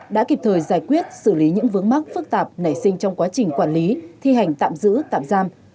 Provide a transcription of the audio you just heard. đã kịp thời giải quyết xử lý những vướng mắc phức tạp nảy sinh trong quá trình quản lý thi hành tạm giữ tạm giam